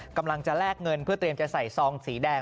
กำลังจะแลกเงินเพื่อเตรียมจะใส่ซองสีแดง